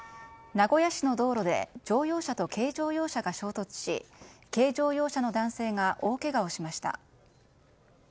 名古屋市の道路で乗用車と軽乗用車が衝突し軽乗用車の男性が大けがをしました。